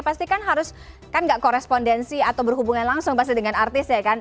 pasti kan harus kan gak korespondensi atau berhubungan langsung pasti dengan artis ya kan